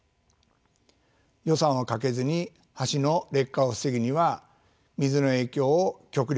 予算をかけずに橋の劣化を防ぐには水の影響を極力防ぐことが大事です。